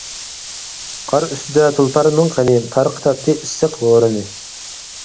قار ئۈستىدە تۇلپارنىڭ قېنى، تارقىتاتتى ئىسسىق ھورىنى.